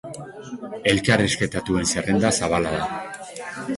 Elkarrizketatuen zerrenda zabala da.